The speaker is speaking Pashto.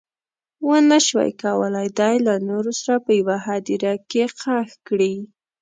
ونه شول کولی دی له نورو سره په یوه هدیره کې ښخ کړي.